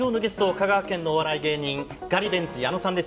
香川県のお笑い芸人ガリベンズ矢野さんです。